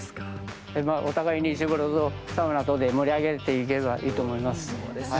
お互いに石風呂とサウナとで盛り上げていければいいと思います。